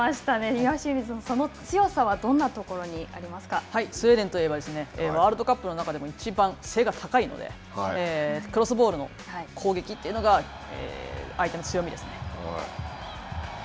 岩清水さん、その強さはどんなとスウェーデンといえばワールドカップの中でもいちばん背が高いので、クロスボールの攻撃というのが、相手の強みですね。